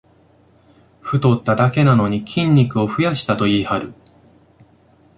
太っただけなのに筋肉を増やしたと言いはる